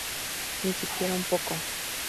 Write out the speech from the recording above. Ni siquiera un poco.